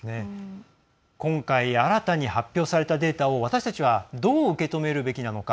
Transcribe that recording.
今回、新たに発表されたデータを私たちはどう受け止めるべきなのか。